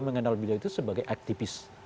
mengenal beliau itu sebagai aktivis